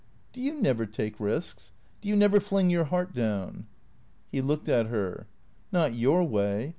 "Do you never take risks? Do you never fling your heart down ?" He looked at her. "Not your way.